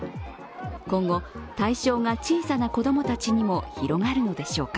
今後、対象が小さな子供たちにも広がるのでしょうか。